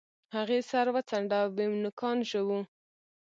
هغې سر وڅنډه ويم نوکان ژوو.